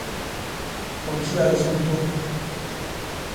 Kun kia rezulto?